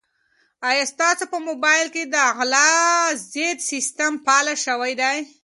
آیا ستاسو په موبایل کې د غلا ضد سیسټم فعال شوی دی؟